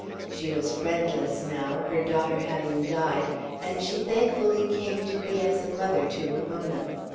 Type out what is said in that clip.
She was friendless now, her daughter having died, and she thankfully came to be as a mother to Ramona.